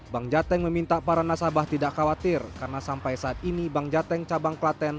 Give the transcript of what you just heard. bank jateng meminta para nasabah tidak khawatir karena sampai saat ini bank jateng cabang klaten